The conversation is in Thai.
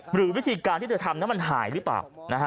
หรือวิธีการที่เธอทำนั้นมันหายหรือเปล่า